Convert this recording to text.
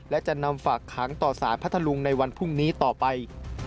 และจะนำฝากขังต่อสารพัทธลุงในวันพรุ่งนี้ต่อไป